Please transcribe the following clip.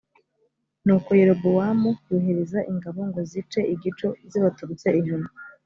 nuko yerobowamu yohereza ingabo ngo zice igico zibaturutse inyuma